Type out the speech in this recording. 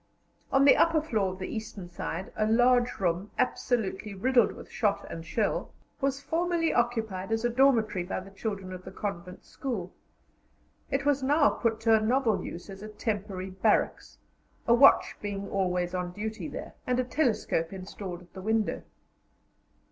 On the upper floor of the eastern side a large room, absolutely riddled with shot and shell, was formerly occupied as a dormitory by the children of the convent school. It was now put to a novel use as a temporary barracks, a watch being always on duty there, and a telescope installed at the window.